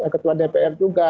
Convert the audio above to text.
ketua dpr juga